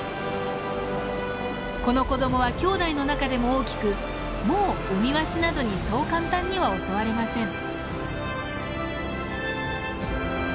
この子どもはきょうだいの中でも大きくもうウミワシなどにそう簡単には襲われません。